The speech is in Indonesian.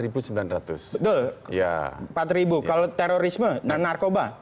betul empat kalau terorisme narkoba